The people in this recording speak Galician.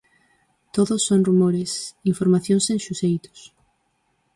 Todos son rumores, informacións sen suxeitos.